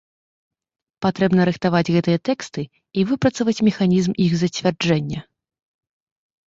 Патрэбна рыхтаваць гэтыя тэксты і выпрацаваць механізм іх зацвярджэння.